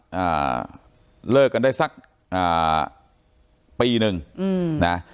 อ่าเลิกกันได้สักอ่าปีหนึ่งอืมนะ